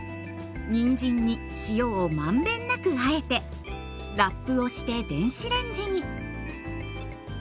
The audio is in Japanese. にんじんに塩を満遍なくあえてラップをして電子レンジに。